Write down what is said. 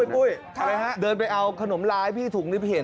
ปุ้ยเดินไปเอาขนมลาให้พี่ถุงได้เห็น